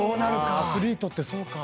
アスリートってそうか。